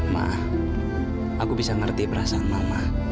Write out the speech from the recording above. maaf aku bisa ngerti perasaan mama